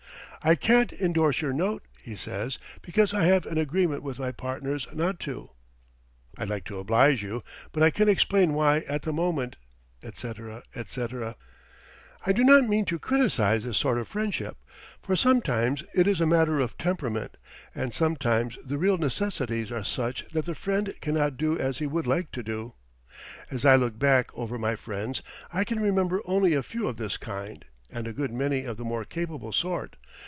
"I can't indorse your note," he says, "because I have an agreement with my partners not to." "I'd like to oblige you, but I can explain why at the moment," etc., etc. I do not mean to criticize this sort of friendship; for sometimes it is a matter of temperament; and sometimes the real necessities are such that the friend cannot do as he would like to do. As I look back over my friends, I can remember only a few of this kind and a good many of the more capable sort.